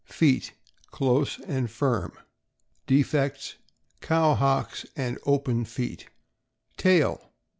Feet close and firm. Defects: Cow hocks and open feet. Tail.